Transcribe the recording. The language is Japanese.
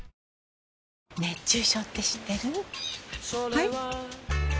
はい？